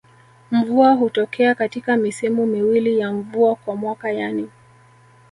Mvua hutokea katika misimu miwili ya mvua kwa mwaka yani